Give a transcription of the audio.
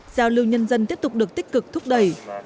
giao lưu nhân dân tiếp tục được tích cực thúc đẩy